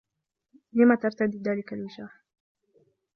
لم ترتدي ذلك الوشاح؟